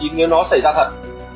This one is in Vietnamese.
nếu nó xảy ra thật